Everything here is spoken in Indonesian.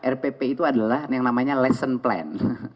rpp itu adalah yang namanya lesson plan